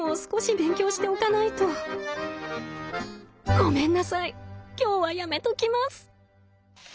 「ごめんなさい今日はやめときます」。